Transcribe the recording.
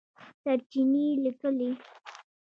سرچېنې لیکلي